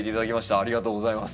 ありがとうございます。